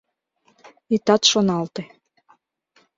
Итат шоналте.